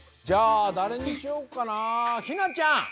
じゃあだれにしようかなひなちゃん！